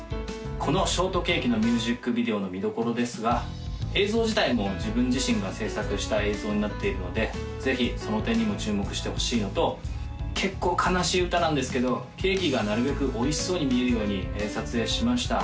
この「ショートケーキ」のミュージックビデオの見どころですが映像自体も自分自身が制作した映像になっているのでぜひその点にも注目してほしいのと結構悲しい歌なんですけどケーキがなるべくおいしそうに見えるように撮影しました